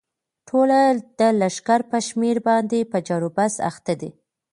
ټوله د لښکر پر شمېر باندې په جرو بحث اخته دي.